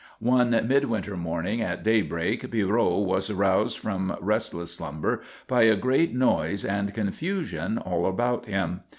One midwinter morning at daybreak Pierrot was aroused from restless slumber by a great noise and confusion all about him.